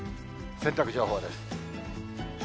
洗濯情報です。